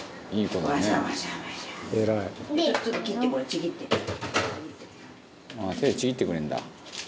「手でちぎってくれるんだ」